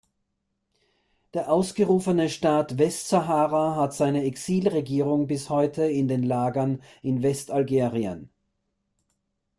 Der ausgerufene Staat Westsahara hat seine Exilregierung bis heute in den Lagern in Westalgerien.